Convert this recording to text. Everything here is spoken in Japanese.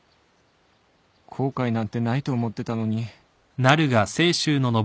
後悔なんてないと思ってたのに